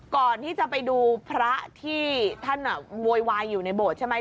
ก่อนที่จะไปดูพระที่ท่านโวยวายอยู่ในโบสถ์ใช่ไหม